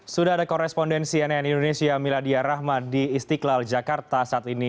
sudah ada korespondensi nn indonesia miladia rahma di istiqlal jakarta saat ini